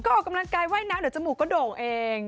ก็ออกกำลังกายว่ายน้ำเดี๋ยวจมูกก็โด่งเอง